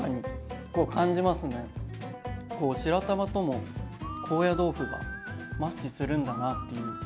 白玉とも高野豆腐がマッチするんだなっていう。